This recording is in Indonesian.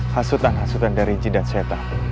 hasutan hasutan dari jidak syaitan